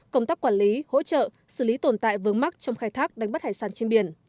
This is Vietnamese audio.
công tác quản lý hỗ trợ xử lý tồn tại vướng mắc trong khai thác đánh bắt hải sản trên biển